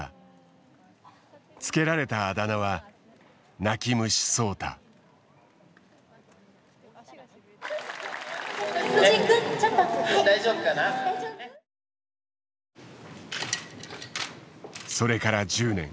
付けられたあだ名はそれから１０年。